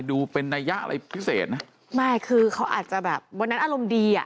ดูเป็นนัยยะอะไรพิเศษไหมไม่คือเขาอาจจะแบบวันนั้นอารมณ์ดีอ่ะ